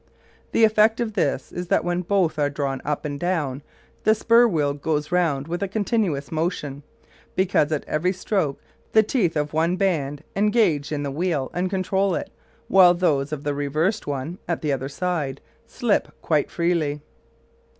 The effect of this is that when both are drawn up and down the spur wheel goes round with a continuous motion, because at every stroke the teeth of one band engage in the wheel and control it, while those of the reversed one (at the other side) slip quite freely.